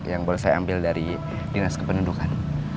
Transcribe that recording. yang boleh saya ambil dari dinas kependudukan